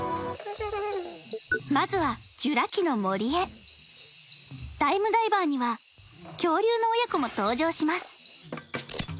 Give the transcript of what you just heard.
まずはジュラ紀の森へタイムダイバーには恐竜の親子も登場します